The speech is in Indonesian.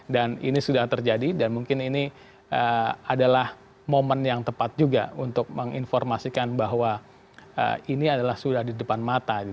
dan ini sudah terjadi dan mungkin ini adalah momen yang tepat juga untuk menginformasikan bahwa ini adalah sudah di depan mata